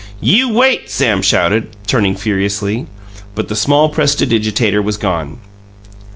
"You wait!" Sam shouted, turning furiously; but the small prestidigitator was gone.